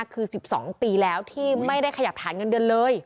คือ๑๒ปีแล้วที่ไม่ได้ขยับฐานเงินเดือนเลย